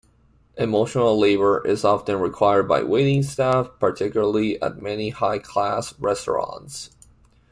Emotional labour is often required by waiting staff, particularly at many high-class restaurants.